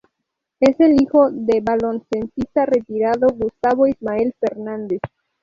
Es el hijo de baloncestista retirado Gustavo Ismael Fernández.